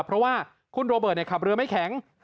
เพราะว่าคุณโรเบิร์ตขับเรือไม่แข็ง